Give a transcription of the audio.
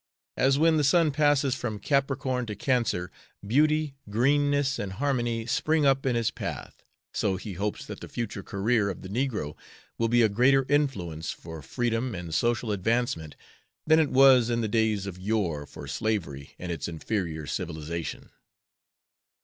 As when the sun passes from Capricorn to Cancer, beauty, greenness, and harmony spring up in his path, so he hopes that the future career of the negro will be a greater influence for freedom and social advancement than it was in the days of yore for slavery and its inferior civilization.